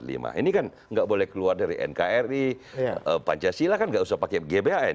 ini kan nggak boleh keluar dari nkri pancasila kan nggak usah pakai gbhn